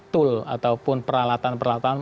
tool ataupun peralatan peralatan